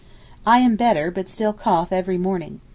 I am better, but still cough every morning.